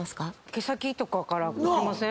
毛先とかからかけません？